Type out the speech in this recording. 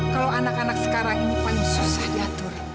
kalau anak anak sekarang ini paling susah diatur